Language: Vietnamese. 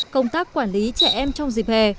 công tác quản lý trẻ em trong dịp hè